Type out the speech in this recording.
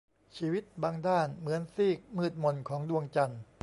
ชีวิตบางด้านเหมือนซีกมืดหม่นของดวงจันทร์